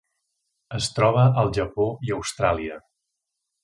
Es troba al Japó i Austràlia.